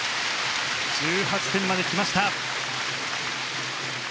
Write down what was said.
１８点まで来ました。